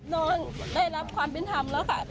น้องได้รับความเป็นธรรมแล้วค่ะ